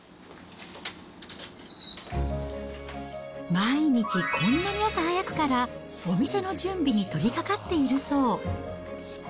毎日こんな朝早くから、お店の準備に取りかかっているそう。